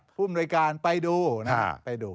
ผู้มนุยการไปดูนะครับ